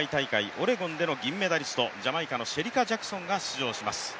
オレゴンでの銀メダリスト、ジャマイカのシェリカ・ジャクソンが出場します。